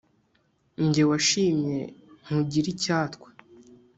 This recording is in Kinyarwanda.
njye washimye nkugire icyatwa